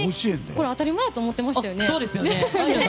これ当たり前やと思ってましたよね。